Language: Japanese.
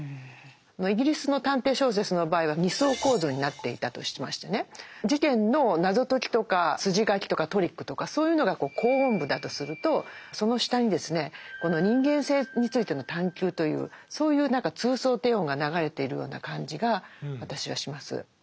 イギリスの探偵小説の場合は２層構造になっていたとしましてね事件の謎解きとか筋書きとかトリックとかそういうのが高音部だとするとその下にですねこの人間性についての探究というそういう何か通奏低音が流れているような感じが私はします。